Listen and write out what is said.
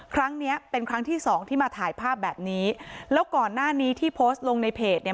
ครั้งเนี้ยเป็นครั้งที่สองที่มาถ่ายภาพแบบนี้แล้วก่อนหน้านี้ที่โพสต์ลงในเพจเนี่ย